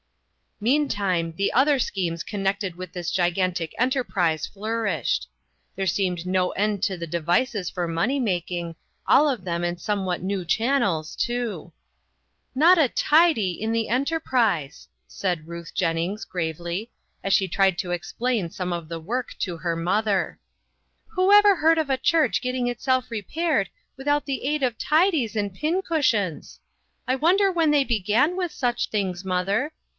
Meantime, the other schemes connected with this gigantic enterprise flourished. There seemed no end to the devices for money making, all of them in somewhat new chan nels, too. " Not a tidy in the enterprise," said Ruth Jennings, gravely, as she tried to explain some of the work to her mother. " Who INNOVATIONS. l8/ ever heard of a church getting itself repaired without the aid of tidies and pin cushions! I wonder when they began with such things, mother?